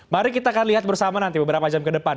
mari kita akan lihat bersama nanti beberapa jam ke depan